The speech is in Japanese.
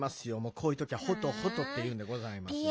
こういうときは「ほとほと」っていうんでございます。